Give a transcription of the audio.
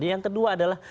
yang kedua adalah